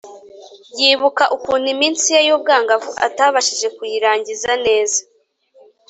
yibuka ukuntu iminsi ye y’ubwangavu atabashije kuyirangiza neza,